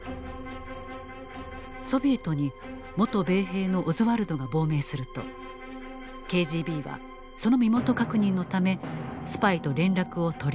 ソビエトに元米兵のオズワルドが亡命するとＫＧＢはその身元確認のためスパイと連絡を取り合い